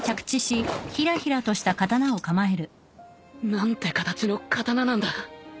なんて形の刀なんだ